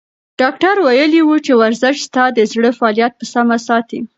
ډاکتر ویلي وو چې ورزش ستا د زړه فعالیت په سمه ساتي.